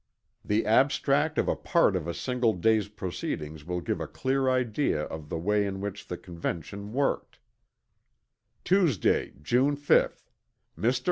The abstract of a part of a single day's proceedings will give a clear idea of the way in which the Convention worked: "Tuesday, June 5. Mr.